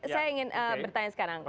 saya ingin bertanya sekarang